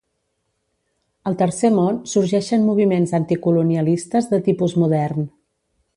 Al Tercer Món sorgeixen moviments anticolonialistes de tipus modern.